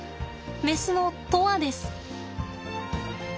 メスの砥愛です。